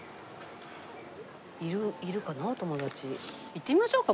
行ってみましょうか？